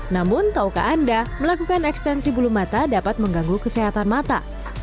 namun tahukah anda melakukan ekstensi bulu mata dapat mengganggu kesehatan mata